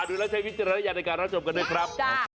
ดูแล้วใช้วิจารณญาณในการรับชมกันด้วยครับ